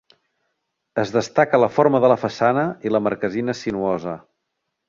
Es destaca la forma de la façana i la marquesina sinuosa.